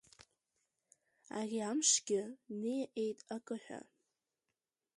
Ари амшгьы ниаҟьеит акы ҳәа.